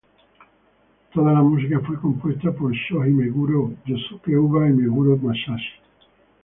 Toda la música fue compuesta por Shoji Meguro, Yosuke Uda y Meguro Masashi.